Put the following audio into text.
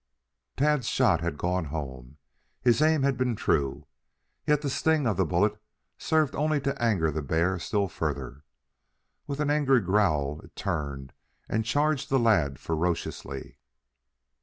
Tad's shot had gone home. His aim had been true. Yet the sting of the bullet served only to anger the bear still further. With an angry growl, it turned and charged the lad ferociously.